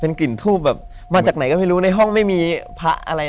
กลิ่นทูบแบบมาจากไหนก็ไม่รู้ในห้องไม่มีพระอะไร